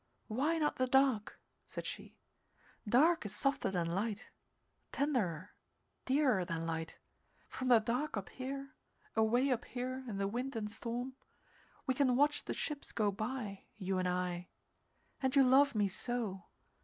"Why not the dark?" said she. "Dark is softer than light tenderer dearer than light. From the dark up here, away up here in the wind and storm, we can watch the ships go by, you and I. And you love me so.